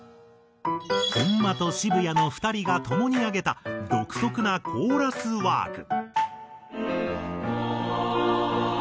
本間と渋谷の２人がともに挙げた独特なコーラスワーク。